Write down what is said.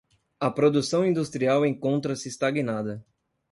A produção industrial encontra-se estagnada